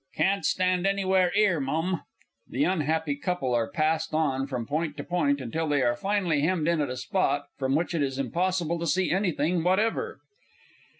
Can't stand anywhere 'ere, Mum. [_The unhappy couple are passed on from point to point, until they are finally hemmed in at a spot from which it is impossible to see anything whatever.